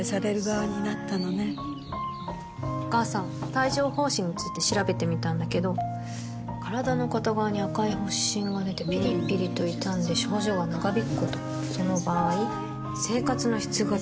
帯状疱疹について調べてみたんだけど身体の片側に赤い発疹がでてピリピリと痛んで症状が長引くこともその場合生活の質が低下する？